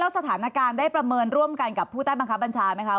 สถานการณ์ได้ประเมินร่วมกันกับผู้ใต้บังคับบัญชาไหมคะ